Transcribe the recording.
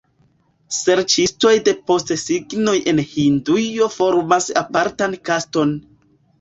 Serĉistoj de postesignoj en Hindujo formas apartan kaston.